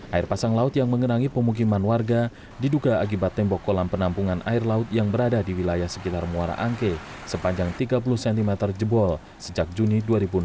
air pasang laut yang mengenangi pemukiman warga diduga akibat tembok kolam penampungan air laut yang berada di wilayah sekitar muara angke sepanjang tiga puluh cm jebol sejak juni dua ribu enam belas